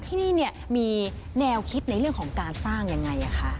ที่นี่มีแนวคิดในเรื่องของการสร้างยังไงคะ